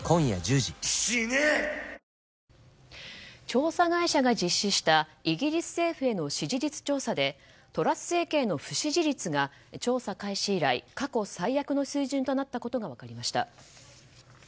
調査会社が実施したイギリス政府への支持率調査でトラス政権への不支持率が調査開始以来過去最悪の水準となったことが分かりました。